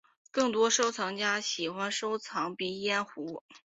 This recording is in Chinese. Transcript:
更多收藏家喜欢收藏鼻烟壶。